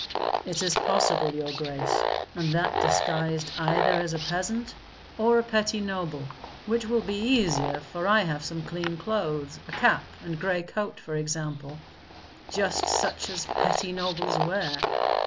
"It is possible, your grace; and that disguised either as a peasant or a petty noble, which will be easier, for I have some clean clothes, a cap and gray coat, for example, just such as petty nobles wear.